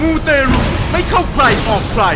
อยู่ที่แม่ศรีวิรัยิลครับ